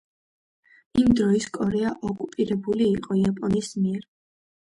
იმ დროს კორეა ოკუპირებული იყო იაპონიის მიერ.